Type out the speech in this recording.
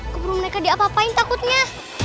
keburu mereka diapapain takutnya